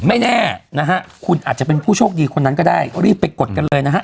ไม่แน่นะฮะคุณอาจจะเป็นผู้โชคดีคนนั้นก็ได้รีบไปกดกันเลยนะฮะ